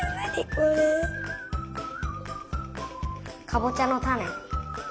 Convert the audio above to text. かぼちゃのたね。